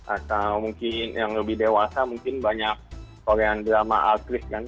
atau mungkin yang lebih dewasa mungkin banyak korean drama aktris kan